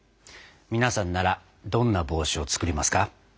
皆さんならどんな帽子を作りますか？